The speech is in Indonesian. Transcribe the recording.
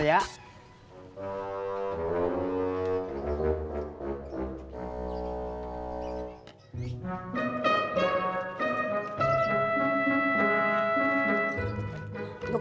tidak ada apa apa